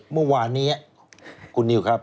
เมื่อวานนี้คุณนิวครับ